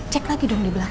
cek lagi dong di belakang